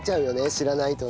知らないとね。